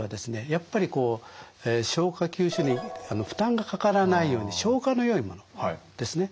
やっぱりこう消化吸収にいい負担がかからないように消化のよいものですね。